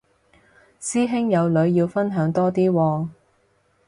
師兄有女要分享多啲喎